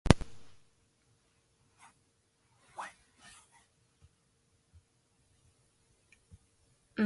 The roofs are slate with hipped ends on the south and east fronts.